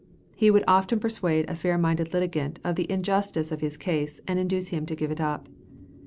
He would often persuade a fair minded litigant of the injustice of his case and induce him to give it up.